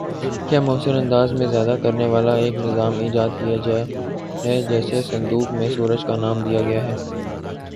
کو مؤثر انداز میں ذیادہ کرنے والا ایک نظام ایجاد کیا ہے جسے صندوق میں سورج کا نام دیا گیا ہے